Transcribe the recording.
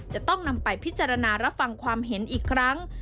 จะต้องนำไปพิจารณารับฟังความเห็นอีกครั้ง